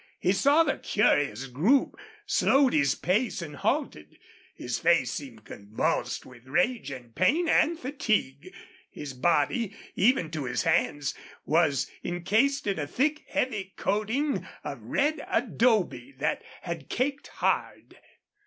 He saw the curious group, slowed his pace, and halted. His face seemed convulsed with rage and pain and fatigue. His body, even to his hands, was incased in a thick, heavy coating of red adobe that had caked hard.